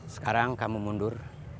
sekarang kamu mundur